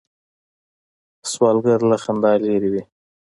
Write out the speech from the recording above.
سوالګر له خندا لرې وي